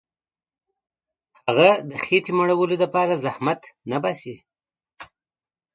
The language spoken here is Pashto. هغه د خېټي مړولو دپاره زحمت نه باسي.